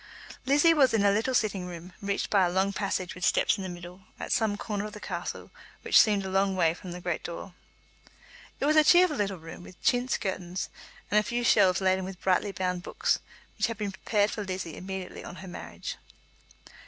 Lizzie was in a little sitting room, reached by a long passage with steps in the middle, at some corner of the castle which seemed a long way from the great door. It was a cheerful little room, with chintz curtains, and a few shelves laden with brightly bound books, which had been prepared for Lizzie immediately on her marriage.